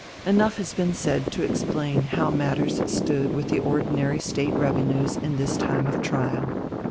Enough has been said to explain how matters stood with the ordinary State revenues in this time of trial.